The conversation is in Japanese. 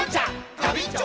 ガビンチョ！